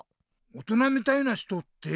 大人みたいな人って？